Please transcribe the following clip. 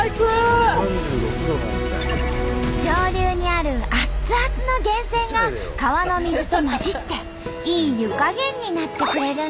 上流にある熱々の源泉が川の水と混じっていい湯加減になってくれるんだって。